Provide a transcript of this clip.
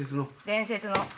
伝説の。